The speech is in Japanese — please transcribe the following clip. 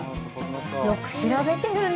よく調べているね。